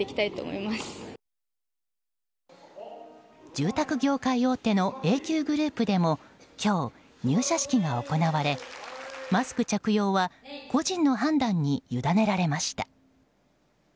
住宅業界大手のＡＱＧｒｏｕｐでも今日、入社式が行われマスク着用は個人の判断に委ねられました。